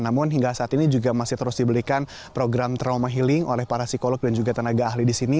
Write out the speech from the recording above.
namun hingga saat ini juga masih terus diberikan program trauma healing oleh para psikolog dan juga tenaga ahli di sini